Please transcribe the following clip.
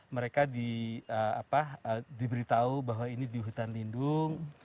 mereka diberitahu bahwa ini di hutan lindung